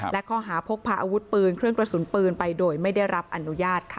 และข้อหาพกพาอาวุธปืนเครื่องกระสุนปืนไปโดยไม่ได้รับอนุญาตค่ะ